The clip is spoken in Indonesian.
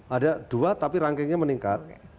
ada dua tapi rankingnya meningkat